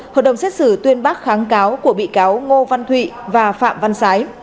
hội đồng xét xử tuyên bác kháng cáo của bị cáo ngô văn thụy và phạm văn sái